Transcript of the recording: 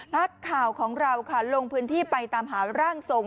นักข่าวของเราค่ะลงพื้นที่ไปตามหาร่างทรง